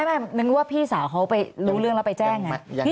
ไม่นึกว่าพี่สาวเขาไปรู้เรื่องแล้วไปแจ้งไง